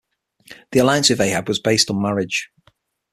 The alliance with Ahab was based on marriage.